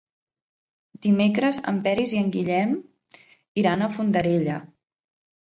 Dimecres en Peris i en Guillem iran a Fondarella.